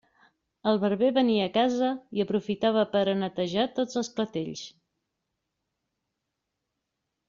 El barber venia a casa i aprofitava per a netejar tots els clatells.